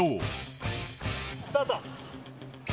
スタート。